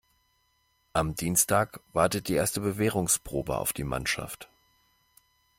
Am Dienstag wartet die erste Bewährungsprobe auf die Mannschaft.